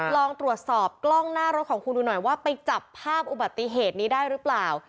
ลองตรวจสอบกล้องหน้ารถของคุณดูหน่อยว่าไปจับภาพอุบัติเหตุนี้ได้หรือเปล่า